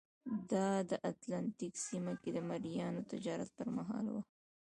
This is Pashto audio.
دا د اتلانتیک سیمه کې د مریانو تجارت پرمهال وه.